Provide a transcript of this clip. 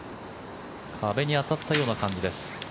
壁に当たったような感じです。